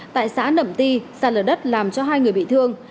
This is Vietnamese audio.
tại xã nẩm ti sàn lở đất làm cho hai người bị thương